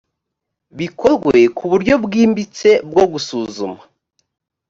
bikorwe ku buryo bwimbitse bwo gusuzuma